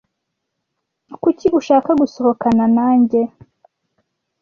Kuki ushaka gusohokana nanjye?